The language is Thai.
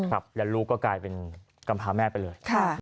ครับแล้วลูกก็กลายเป็นกำพาแม่ไปเลย